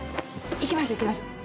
行きましょう行きましょう。